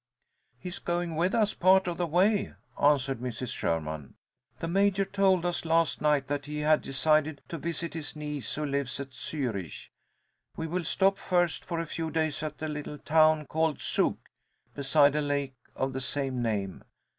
"He is going with us part of the way," answered Mrs. Sherman. "The Major told us last night that he had decided to visit his niece who lives at Zürich. We will stop first for a few days at a little town called Zug, beside a lake of the same name.